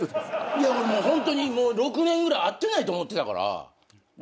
いや俺ホントに６年ぐらい会ってないと思ってたから。